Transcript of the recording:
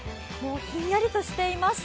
ひんやりとしています。